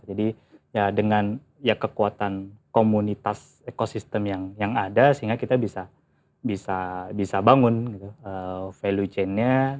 jadi ya dengan ya kekuatan komunitas ekosistem yang ada sehingga kita bisa bangun value chainnya